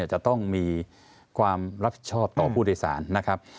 จะต้องมีความรับผิดชอบต่อผู้โดยสารนะครับ